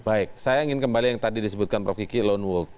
baik saya ingin kembali yang tadi disebutkan prof kiki lone wold